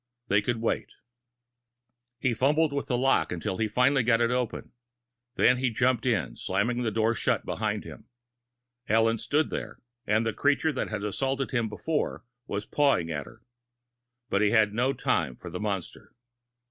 They could wait. He fumbled with the lock, until he finally got it open. Then he jumped in, slamming the door shut behind him. Ellen stood there, and the creature that had assaulted him before was pawing at her. But he had no time for the monster.